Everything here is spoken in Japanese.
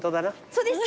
そうです。